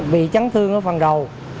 vì trắng thương ở phần đầu